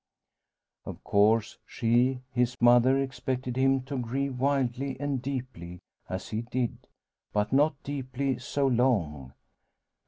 Of course she, his mother, expected him to grieve wildly and deeply, as he did; but not deeply so long.